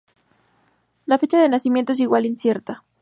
La fecha de nacimiento es igualmente incierta.